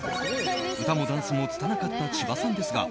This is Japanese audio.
歌もダンスもつたなかった千葉さんですが